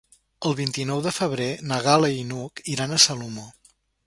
El vint-i-nou de febrer na Gal·la i n'Hug iran a Salomó.